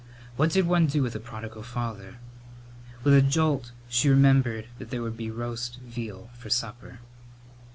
What did one do with a prodigal father? With a jolt she remembered that there would be roast veal for supper.